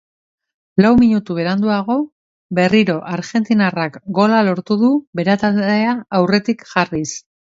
Lau minutu beranduago, berriro argentinarrak gola lortu du bere taldea aurretik jarriz.